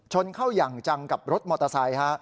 ชนเข้าอย่างจังกับรถมอเตอร์ไซค์ฮะ